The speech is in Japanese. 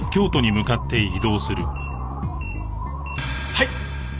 はい！